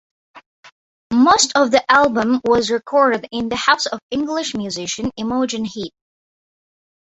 Most of the album was recorded in the house of English musician Imogen Heap.